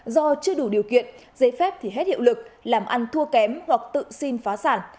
do chưa đủ điều kiện giấy phép thì hết hiệu lực làm ăn thua kém hoặc tự xin phá sản